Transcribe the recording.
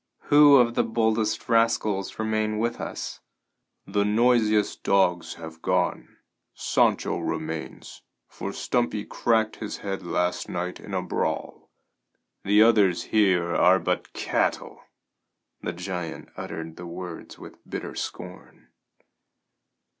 "Who of the boldest rascals remain with us?" "The noisiest dogs have gone. Sancho remains, for Stumpy cracked his head last night in a brawl. The others here are but cattle!" The giant uttered the words with bitter scorn.